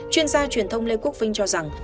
chuyên gia truyền thông lê quốc vinh cho rằng